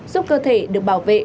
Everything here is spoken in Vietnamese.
giúp cơ thể được bảo vệ